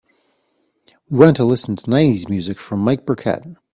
We want to listen to nineties music from mike burkett.